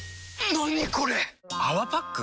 何これ⁉「泡パック」？